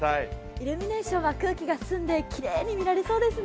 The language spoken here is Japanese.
イルミネーションは空気が澄んで、きれいに見られそうですね。